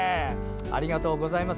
ありがとうございます。